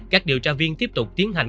các điều tra viên tiếp tục tiến hành